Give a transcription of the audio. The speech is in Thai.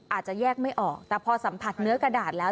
อาจจะแยกไม่ออกแต่พอสัมผัสเนื้อกระดาษแล้ว